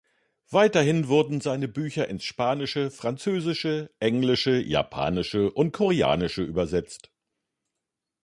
Weiterhin wurden seine Bücher ins Spanische, Französische, Englische, Japanische und Koreanische übersetzt.